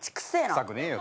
臭くねえよ。